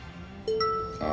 ああ